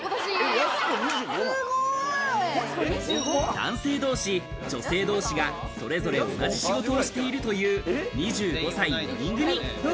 男性同士、女性同士がそれぞれ同じ仕事をしているという２５歳、４人組。